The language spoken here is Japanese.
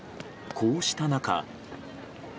こうした中。